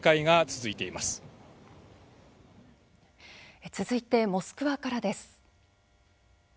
続いてモスクワからです。